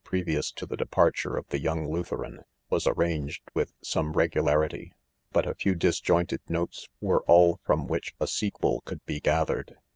previous to the departure of the young Lutheran, was arranged with some regularity, hut a few disjointed notes were all from which a sequel could he gathered.